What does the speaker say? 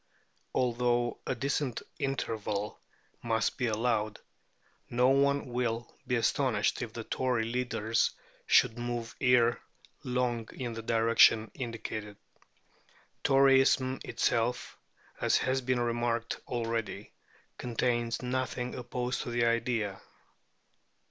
Although a decent interval must be allowed, no one will be astonished if the Tory leaders should move ere long in the direction indicated. Toryism itself, as has been remarked already, contains nothing opposed to the idea.